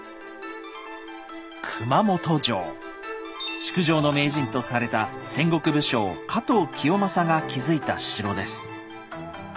築城の名人とされた戦国武将加藤清正が築いた城です。